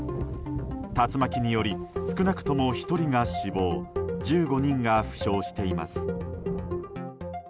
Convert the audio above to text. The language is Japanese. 竜巻により少なくとも１人が死亡１５人が負傷しています。